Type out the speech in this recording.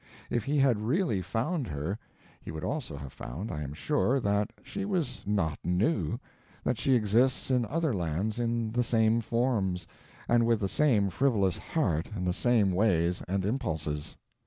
If he had really found her he would also have found, I am sure, that she was not new, that she exists in other lands in the same forms, and with the same frivolous heart and the same ways and impulses.